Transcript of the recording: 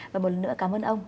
và một lần nữa cảm ơn ông